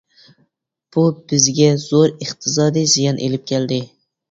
بۇ بىزگە زور ئىقتىسادى زىيان ئىلىپ كەلدى.